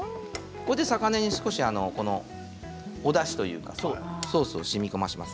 これで魚に少しおだしというかソースをしみこませます。